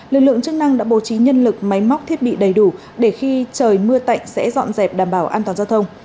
lực lượng chức năng đã bố trí nhân lực máy móc thiết bị đầy đủ để khi trời mưa tạnh sẽ dọn dẹp đảm bảo an toàn giao thông